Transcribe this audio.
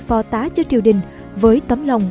phò tá cho triều đình với tấm lòng